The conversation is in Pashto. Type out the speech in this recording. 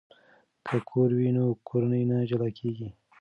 که کور وي نو کورنۍ نه جلا کیږي.